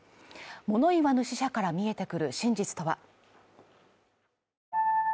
物言わぬ死者から見えてくる真実とは。